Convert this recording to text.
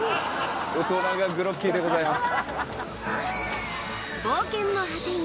大人がグロッキーでございます。